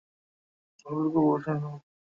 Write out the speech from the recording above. আসলে - খুবই প্রশংসনীয়।